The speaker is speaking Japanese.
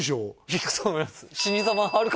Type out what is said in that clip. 行くと思います